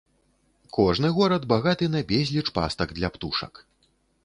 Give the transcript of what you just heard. Кожны горад багаты на безліч пастак для птушак.